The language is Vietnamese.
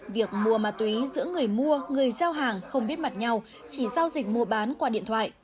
việc mua ma túy giữa người mua người giao hàng không biết mặt nhau chỉ giao dịch mua bán qua điện thoại